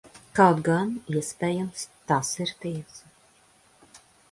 Kaut gan, iespējams, tas ir tiesa.